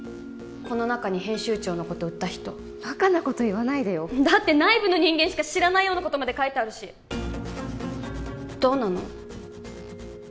この中に編集長のこと売った人バカなこと言わないでよだって内部の人間しか知らないようなことまで書いてあるしどうなの？